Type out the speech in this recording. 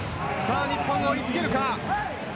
日本追いつけるか。